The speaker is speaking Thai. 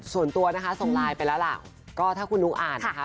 ส่วนตัวนะคะส่งไลน์ไปแล้วล่ะก็ถ้าคุณนุ๊กอ่านนะคะ